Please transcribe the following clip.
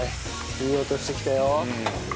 いい音してきたよ。